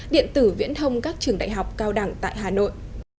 điện tử viễn thông các trường đại học cao đẳng tại hà nội